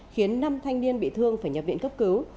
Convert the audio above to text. khiến năm thanh niên bị thương phải nhập viện cấp cứu